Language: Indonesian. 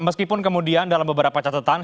meskipun kemudian dalam beberapa catatan